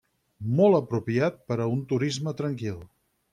Molt apropiat per a un turisme tranquil.